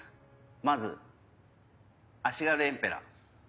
まず足軽エンペラー。